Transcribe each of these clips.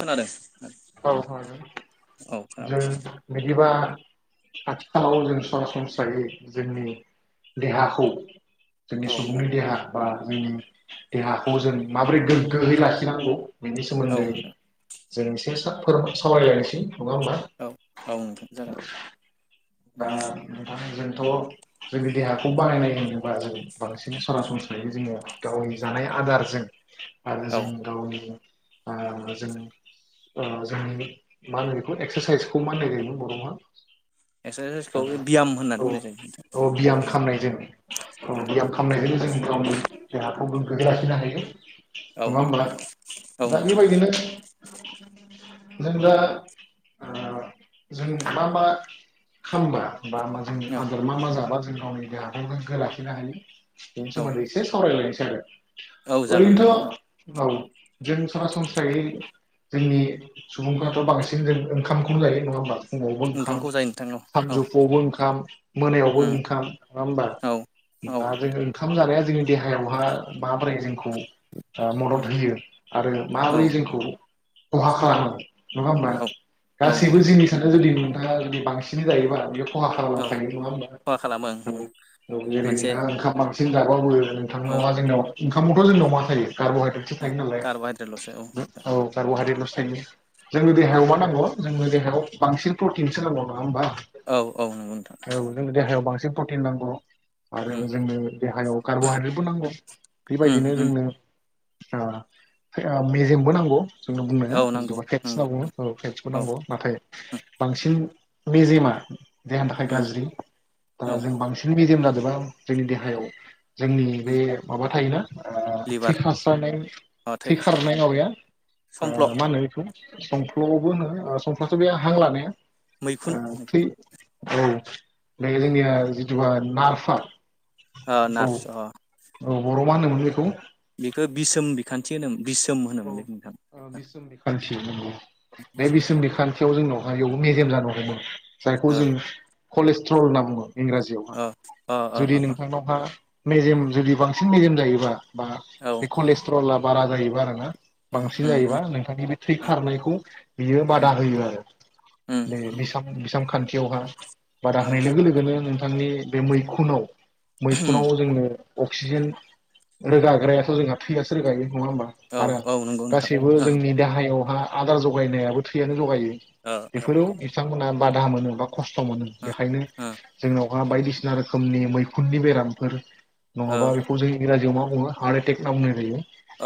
खोनादों औ औ औ जों खोनागासिनो बिदिबा आथिखालाव जों सरासनस्रायै जोंनि देहाखौ जोंनि औ नोंथां सुबुंनि देहा बा जोंनि देहाखौ जों माबोरै गोग्गोयै लाखिनांगौ। बिनि औ सोमोन्दै नोंथां जों एसे सा फोर सावरायलानोसै नङा होमबा औ औ नोंथां जागोन दा नोंथांजों। थ' जोंनि देहाखौ बानायनाय होनोबा जों बांसिन सरासनस्रायै जोङो गावनि जानाय आदारजों आरो औ जों गावनि ओ जों ओ जोंनि मा होनो बिखौ एक्सारसाइसखौ मा होननाय जायोमोन एक्सारसाइसखौ बर'हा ब्याम होननानै औ बुंनाय जायो नोंथां औ बियाम ब्याम खामनायजों औ बियाम खामनायजोंनो जों गाव गावनि देहाखौ गोख्रोङै लाखिनो हायो। औ नङा होमब्ला? नोंथां औ दा नोंथां बेबायदिनो जों दा ओ जों मा मा खालामबा बा [unintelligible] जोंनि आदार मा मा जाबा जों गावनि देहाखौ गोग्गो लाखिनो हायो। बिनि औ सोमोन्दै एसे सावरायलायनो औ [unintelligible] जागोन नोंथां ओरैनोथ' जागोन औ। जों सरासनस्रायै जोंनि सुबुंफ्राथ' बांसिन जों ओंखामखौनो जायो। नङा होमबा? फुङावबो ओंखाम, ओंखामखौ जायो नोंथां औ औ सानजौफुआवबो ओंखाम, मोनायावबो उम ओंखाम, नङा होमबा? औ औ उम होनबा जोङो ओंखाम जानाया जोंनि देहायावहा माबोरै जोंखौ आ मदद होयो आरो औ माबोरै जोंखौ खहा खालामो नङा होमबा? औ औ गासैबो नोंथां जिनिसानो जुदि नोंथाङा जुदि बांसिनै जायोबा बेयो खहा औ खालामखायो नङा होमबा? खहा खालामो ओं औ उम औ जेरै मोनसे नोंथाङा ओंखाम बां जों जाबो औ नोंथांनाव मा जोंनाव ओंखामावथ' जोंनाव मा थायो कार्बहाइड्रेटसो थायो नालाय, कार्ब'हाइद्रेटल'सो औ औ। [unintelligible] सायनिस जोंनो देहायाव मा नांग'? जोंनो देहायाव बांसिन प्रटिनसो नांगौ नङा होमबा? औ औ नंगौ नोंथां। औ जोंनो देहायाव बांसिन प्रटिन उम उम उम जोंनो औ बुंनाया जिथु नांगौ बा फेटस नंगौ होनना बुङो। औ फेटसबो औ नांगौ। नाथाय बांसिन मेजेमा देहानि थाखाय उम गाज्रि। ओ औ जों बांसिन मेजेम जाजोबा जोंनि देहायाव जोंनि उम बे माबा थायोना ओ थै लिभार खास्रानाय अ थै होसोनाय खारनाय माबाया ओ समफ्ल' मा होनो बिखौ संफ्लुआवबो होनो ओ संफ्लुआथ' बे हां लानाया ओ मैखुन थै औ। बे जोंनिया जिथुुबा नारफार ओ नार्स अ बर'आव मा होनोमोन बेखौ? बेखो बिसोम बिखान्थि होनोमोन। औ ओ बिसोम बिखान्थि नंगौ। बे बिसोम बिखान्थियाव जोंनावहाय एयावबो मेजेम जानो हमो। जायखौ ओ जोंङो कलेस्ट्रल होनना बुङो। इंराजियाव मा ओ ओ ओ जुदि ओ नोंथांनावहा मेजेम जुदि बांसिन मेजेम जायोबा बा औ बे खलेस्ट्लआ बारा जाहैबा आरो ना उम बांसिन उम उम जायोबा नोंथांनि बे थै खारनायखौ बियो बादा होयो आरो उम बे बिसाम बिसामखान्थि थिआवहा बादा उम होनाय लोगो लोगोनो नोंथांनि बे मैखुनाव उम मैखुनाव जोंनो अक्सिजेन रोगाग्रायाथ' जोंहा थैयासो रोगाय नङा होमबा औ आरो औ नंगौ नोंथां गासैबो ओ जोंनि देहायाव आ आदार जगायनायाबो थैयानो जगायो ओ ओ बेफोरो बिथांमोना बादा मोनोबा खस्थ' मोनो बेखायनो ओ जोंनाव मा बायदिसिना रोखोमनि मैखुननि बेरामफोर ओ नङाबा बेखौ जों इंराजियाव मा हार्ट एटेक ना बुंनाय जायो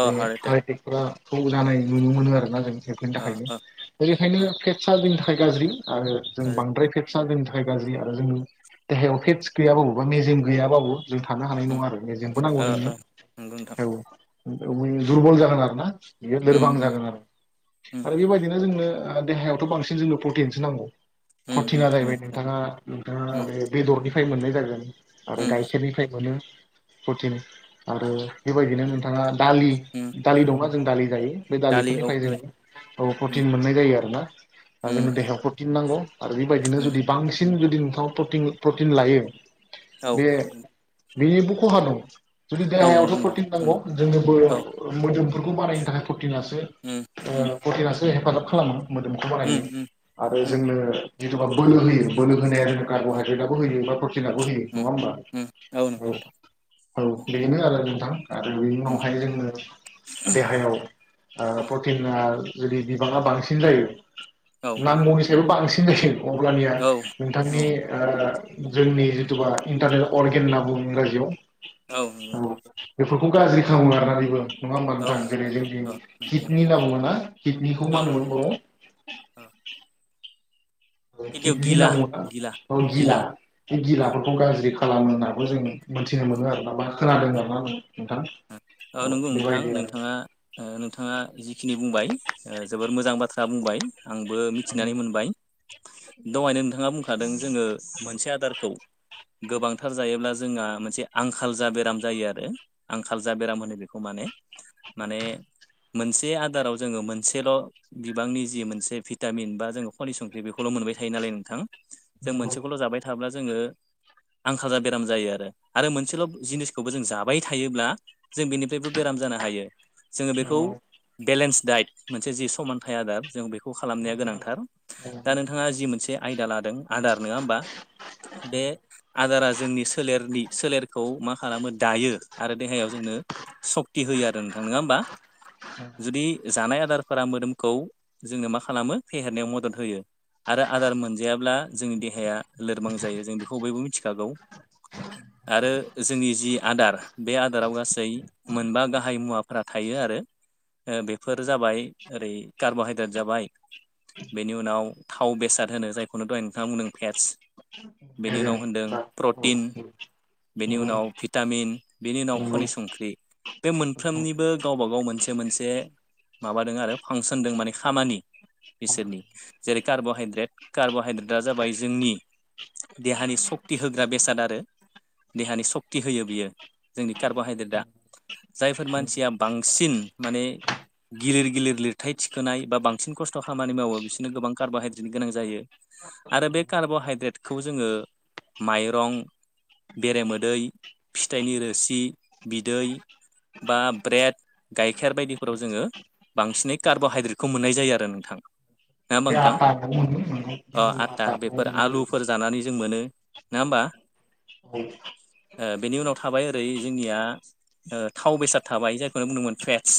अ हार्ट एटेक मा थौ जानाय नुनो मोनो आरोना जों बेफोरनि ओ थाखायनो ओ बे ओ ओंखायनो फेत्सा जोंनि थाखाय गाज्रि आरो जों बांद्राय फे आ जोंनि थाखाय गाज्रि आरो जोंनि देहायाव फेटस गैयाबाबो बा मेजेम गैयाबाबो जों थानो हानाय उम नङा आरो मेजेमखौ नांगौ ओ जोंनो ओ नंगौ नोंथां औ [unintelligible] दुरबल जागोन आरो ना बियो उम लोरबां उम जागोन आरो उम आरो बेबायदिनो जोंनो दा देहायावथ' बांसिन जोंनो प्रतटिनसो नांगौ उम प्रटिना उम नंगौ जाहैबाय नोंथां नोंथाङा नोंथाङा उम बे बेदरनि फाय मोननाय जागोन आरो उम गाइखेरनिफ्राय मोनो प्रटिन आरो बेबायदिनो नोंथाङा उम दालि दालि दंना जों दालि जायो। बे दालि औ दालिफोरनिफ्राय ओइ जोङो औ उम प्रटिन मोननाय जायो आरोना दा उम जोंनो देहायाव प्रटिन नांगौ। आरो बेबायदिनो उम जुदि बांसिन जु दि नोंथां प्रटिन प्रटिन लायो औ बे बेनिबो खहा दं जुदि औ नंगौ देहायावथ' नोंथां प्रटिन उम नांगौ जोंनो बोलो औ मोदोमफोरखौ बानायनो थाखाय प्र टिनासो उम ओ उम प्रटिनासो हेफाजाब खालामो। मोदोमखौ बाहायनो उम उम आरो जोंनो बा बोलो होयो बोलो होनाया जों उम कार्ब'हाइद्रेटआबो होयो बा प्रटिनाबो होयो नङा उम होमबा उम नंगौ औ नोंथां औ बेनो आरो मोजां आरो बेनि उम उनावहाय जोङो देहायाव ओ प्रटिना जुदि बिबाङा बांसिन जायो औ नांगौनि सेबो बांसिनो सो अब्लानिया औ नोंथांनि औ ओ जोंनि जिथुबा इन्टारनेल अर्गेन होनना बुंङो इंराजियाव औ नोंगौ नोंथां फोरखौ गाज्रि खालामो आरोना बेबो नङा होमबा औ नोंथां जेरै नंगौ औ जोंनि नंगौ नंगौ किडनि औ होनना बुङोना किडनिखौ मा नंगौ होनोमोन बर'आव? औ गिबियाव किडनि गिला होनना बुङो ना गिला औ गिला बे उम गिलाफोरखौ गाज्रि खा खालामो होनना बो जों मोनथिनो उम मोनो आरोना बा खोनादों आरो ना नोंथां औ नोंगौ नोंथां बेबायदि आरो नोंथाङा ओ नोंथाङा जिखिनि बुंबाय ओ जोबोर मोजां बाथ्रा बुंबाय आंबो बो मिथिनानै मोनबाय दहायनो नोंथाङा बुं खादों जोङो मोनसे आदारखौ गोबांथार जायोब्ला जोंहा मोनसे आंखाल जा बेराम जायो आरो आंखाल जा‌ बेराम होनो बेखौ माने माने मोनसे आदाराव जोङो मोनसेल' बिबांनि जि मोनसे भिटामिन बा जोङो खनि संख्रि बेखौल' मोनबाय थायो नालाय नोंथां। जों नंगौ मोनसेखौल' जाबाय थाब्ला जोङो आंखालजा बेराम जायो आरो आरो मोनसेल' जिनिसखौबो जों जाबाय थायोब्ला जों बेनिफ्रायबो बेराम जानो हायो। जोङो बेखौ नंगौ बेलेन्स दाइट मोनसे जि समानथाय आदार जों बे खौ खालामनाया गोनांथार दा नोंथाङा जि मोनसे आयदा लादों आदार नोङा होमबा बे आदारा जोंनि सोलेरनि। सोलेरखौ मा खालामो दायो आरो देहायाव जोंनो सक्ति होयो आरो नोंथां नङा होमबा जुदि जानाया आदारफोरा मोदोमखौ जोंनो मा खालामो फेहेरनायाव मदद होयो आरो आदार मोनजायाब्ला जोंनि देहाया लोरबां जायो जों बेखौ बयबो मिथिखागौ आरो जोंनि जि आदार बे आदाराव गासै मोनबा गाहाय मुवाफोरा थायो आरो बेफोर जाबाय ओरै कार्ब'हाइद्रेट जाबाय बेनि उनाव थाव बेसाद होनो जायखौनो दहाय नोंथांआ बुंदों फेट्स बेनि उनाव होनदों प्रटिन बेनि उनाव भिटामिन बेनि उनाव खनि संख्रि बे मोनफ्रोमनिबो गावबा गाव मोनसे मोनसे माबादों आरो फांसन दं माने खामानि बिसोरनि जेरै कार्ब'हाइद्रेट कार्ब'हाइद्रेटआ जाबाय जोंनि देहानि सक्ति होग्रा बेसाद आरो देहानि सक्ति होयो बियो जोंनि कार्ब'हाइद्रेटआ जायफोर मानसिया बांसिन माने गिलिर गिलिर लिरथाय थिखोनाय बा बांसिन खस्थ' खामानि मावो बिसोरनो गोबां कार्ब'हाइद्रेटनि गोनां जायो आरो बे कार्ब'हाइद्रेटखौ जोङो माइरं बेरेमोदै फिथाइनि रोसि रोसि बिदै बा ब्रेड गाइखेर बायदिफोराव जोङो बांसिनै कार्ब'हाइद्रेटखौ मोननाय जायो आरो नोंथां नङा होमबा नोंथां ओ आटा [inaudible] ना होमबा औ बेनि उनाव थाबाय ओरै ओरै जोंनिया थाव बेसाद थाबाय जायखौनो बुंदोंमोन फेटस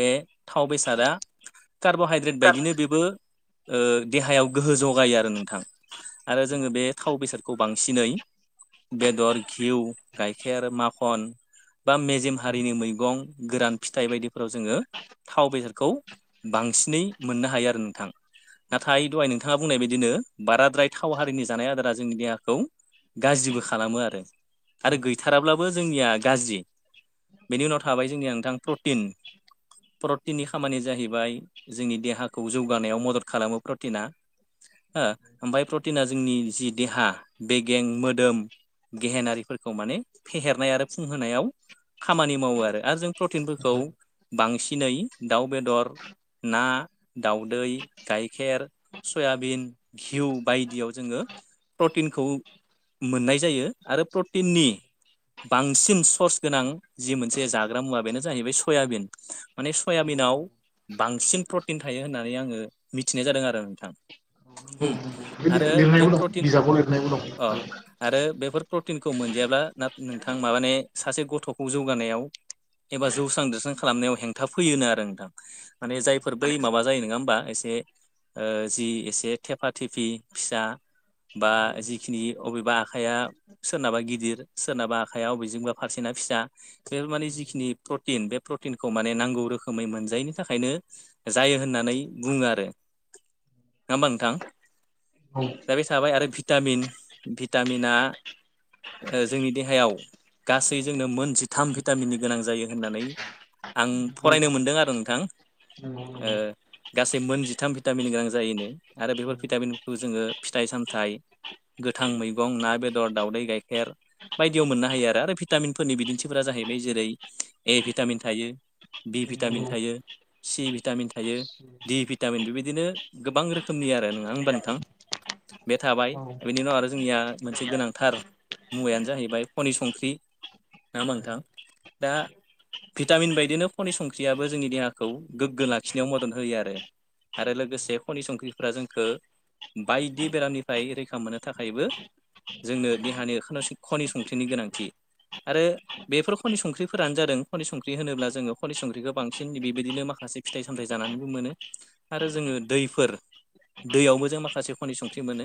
बे थाव बेसादा कार्बहाइद्रेट बायदिनो बेबो देहायाव गोहो जगायो आरो नोंथां आरो नंगौ जोङो बे थाव बेसादखौ बांसिनै बेदर घिउ गाइखेर माखन बा मेजेम नंगौ हारिनि मैगं गोरान फिथाइ बायदिफोराव जोङो थाव बेसादखौ बांसिनै मोननो हायो आरो नोंथां नाथाय दहाय नोंथाङा बुंनाय बायदिनो बाराद्राय थाव हारिनि जानाय आदारा जोंनि देहाखौ गाज्रिबो खालामो आरो आरो गैथाराब्लाबो जोंनिया गाज्रि बेनि उनाव थाबाय जोंनिया नोंथां प्रटिन प्रटिननि खामानिया जाहैबाय जोंनि देहाखौ जौगानायाव मदद खालामो प्रटिना हो ओमफ्राय प्रटिना जोंनि जि देहा बेगें मोदोम गेहेनारिफोर खौ माने फेहेरनाय आरो फुंहोनायाव खामानि मावो आरो आरो जों प्रटिनफोरखौ नंगौ बांसिनै दाउ बेदर ना दाउदै गाइखेर सयाबिन घिउ बायदियाव जोङो प्रटिनखौ मोननाय जायो आरो प्रटिन प्रटिननि बांसिन सर्स गोनां जि मोनसे जाग्रा मुवा बेनो जाहैबाय सयाबिन माने नंगौ सयाबिनाव बांसिन प्रटिन थायो होननानै आङो मिथिनाय जादों आरो नोंथां बे आरो बे लिरनायबो दं प्रटिन बिजाबाव लिरनायबो अ दं आरो बेफोर प्रटिन मोनजायाब्ला ना नोंथां माबे सासे गथ'खौ जौगानायाव एबा जौस्रां देरस्रां खालामनायाव हेंथा फैयोनो आरो नोंथां माने जायफोर बै माबा जायो नङा होमबा एसे जि एसे थेफा थेफि फिसा बा जिखिनि अबेबा आखाइया सोरनाबा गिदिर सोरनाबा आखाइ बबेजोंबा फारसेना फिसा बे माने जिखिनि प्रटिन बे प्रटिनखौ माने नांगौ रोखोमै मोनजायैनि थाखायनो जायो होननानै बुङो आरो नङा होमबा नोंथां औ नंगौ दा बे थाबाय आरो भिटामिन भिटामिना जोंनि देहायाव गासै जोंनो मोन जिथाम भिटामिननि गोनां जायो होननानै आं फरायनो नोंथां मोनदों आरो नोंथां गोलोन्दैयाव गासै मोन जिथाम भिटामिननि गोनां जायोनो आरो बेफोर भिटामिनखौ जोङो फिथाइ सामथाइ गोथां मैगं ना बेदर दाउदै गाइखेर बायदियाव मोननो हायो आरो भिटामिनफोरनि बिदिन्थिफोरा जाहैबाय जेरै ए भिटामिन थायो बि भिटामिन थायो सि भिटामिन थायो ड भिटामिन बेबायदिनो गोबां रोखोमनि आरो नोंङा होमबा नोंथां बे थाबाय बेनि उनाव आरो जोंनिया मोनसे गोनांथार मुवायानो जाहैबाय खनि संख्रि नाङा होमबा नोंथां दा भिटामिन बायदिनो खनि संख्रियाबो जोंनि देहाखौ गोग्गो लाखिनायाव मदद होयो आरो आरो लोगोसे खनि संख्रिफोरा जोंखौ बायदि बेरामनिफ्राय रैखा मोननो थाखायबो जोंनो देहानि खनि संख्रिनि गोनांथि आरो बेफोर खनि संख्रिफोरानो जादों खनि संख्रि होनोब्ला जोङो खनि संख्रिखौ बांसिन बेबायदिनो माखासे फिथाइ सामथाइ जानानैबो मोनो आरो जोङो दैफोर दैयावबो जों माखासे खनि संख्रि मोनो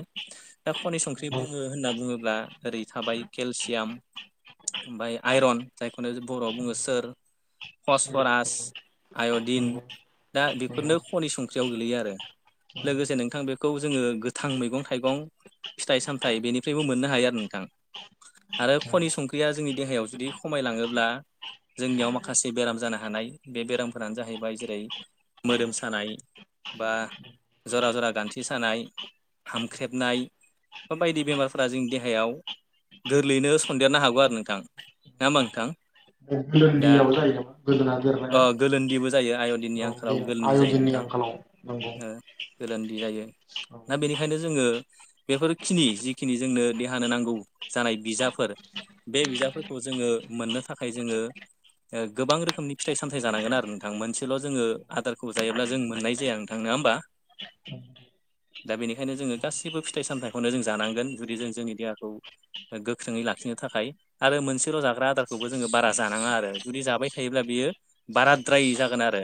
दा खनि संख्रि बुङो होनना बुङोब्ला ओरै थाबाय केलसियाम ओमफ्राय आइरन जायखौनो बर'आव बुङो सोर फसफरास आय'दिन दा बेफोरनो खनि संख्रियाव गोगलैयो आरो लोगोसे नोंथां बेखौ जोङो गोथां मैगं थाइगं फिथाइ सामथायाइ बेनिफ्रायबो मोननो हायो आरो नोंथां आरो खनि संख्रिया जोंनि देहायाव जुदि खमायलाङोब्ला जोंनियाव माखासे बेराम जानो हानाय बे बेरामफोरानो जाहैबाय जेरै मोदोम सानाय बा जरा जरा गान्थि सानाय हामख्रेबनाय बा बायदि बेरारफोरा जोंनि देहायाव गोरलैयैनो सन्देरनो हागौ आरो नोंथां नङा होमबा नोंथां गोलोनदि दा आव जायो नामा गोदोना ओ देरनाया गोलोनदिबो जायो आयरन औ बे आयदिननि आंखालाव नंगौ ओ गोलोनदि जायो औ दा बेनिखायनो जोङो बेफोरखिनि जिखिनि जोंनो देहानो नांगौ जानाय बिजाफोर बे बिजाफोरखौ जोङो मोननो थाखाय जोङो गोबां रोखोमनि फिथाइ सामथाइ जानांगोन आरो नोंथां मोनसेल' जोङो आदारखौ जायोब्ला जों मोननाय जाया नोंथां नङा होमबा दा बेनिखायनो जोङो गासैबो फिथाइ सामथायाइखौनो जों जानांगोन जुदि जों जोंनि देहाखौ गोख्रोङै लाखिनो थाखाय आरो मोनसेल' जाग्रा आदारखौबो जोङो बारा जानाङा आरो जुदि जाबाय थायोब्ला बियो बाराद्राय जागोन आरो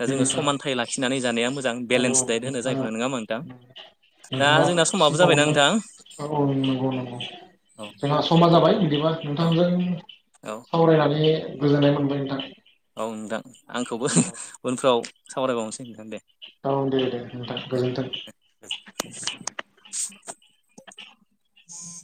दा दे जोङो नोंथां समानथाइ लाखिनानै जानाया मोजां औ बेलेन्स दाइेट होनो नोंथाङा जायखौ नङा होमबा नोंथां दा नोंथाङा जोंना समाबो जाबायना सिगाङावनो नोंथां औ औ नंगौ नंगौ जोंहा नोंथां समा जाबाय बिदिबा औ नोंथांजों औ सावरायना जे गोजोननाय मोनबाय नोंथां औ नोंथां आंखौबो उनफ्राव सावरायबावनोसै नोंथां दे औ दे दे नोंथां दे। गोजोन्थों। [unintelligible]